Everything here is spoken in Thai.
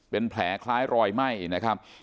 เป็นแผลคล้ายรอยไหม้นะครับ